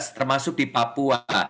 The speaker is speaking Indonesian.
termasuk di papua